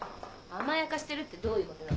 ・甘やかしてるってどういうことよ。